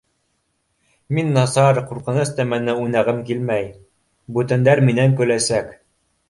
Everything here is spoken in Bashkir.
Мин насар, ҡурҡыныс нәмәне уйнағым килмәй, бүтәндәр минән көләсәк.